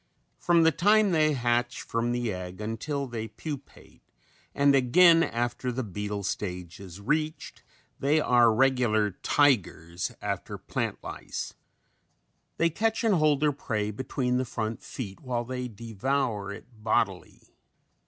From the time they hatch from the egg until they pupate and again after the beetle stage is reached they are regular tigers after plant lice. They catch and hold their prey between the front feet while they devour it bodily.